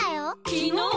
きのう？